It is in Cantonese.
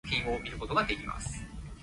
嘩！好好笑呀！我係咪要笑出嚟呀